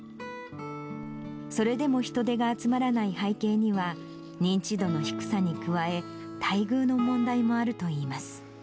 それでも人手が集まらない背景には、認知度の低さに加え、待遇の問題もあるといいます。